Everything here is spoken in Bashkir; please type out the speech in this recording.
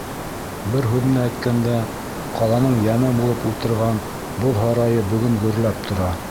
Бер һүҙ менән әйткәндә, ҡаланың йәме булып ултырған боҙ һарайы бөгөн гөрләп тора.